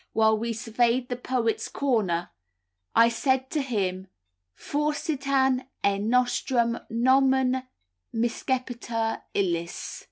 While we surveyed the Poets' Corner, I said to him 'Forsitan et nostrum nomen miscebitur illis.